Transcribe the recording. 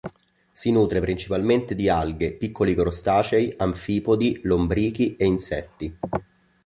Si nutre principalmente di alghe, piccoli crostacei anfipodi, lombrichi e insetti.